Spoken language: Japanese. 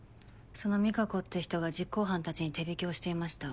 その美華子って人が実行犯たちに手引きをしていました。